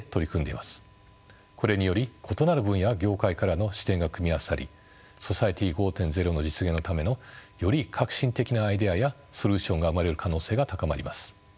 これにより異なる分野や業界からの視点が組み合わさりソサイエティ５．０の実現のためのより革新的なアイデアやソリューションが生まれる可能性が高まります。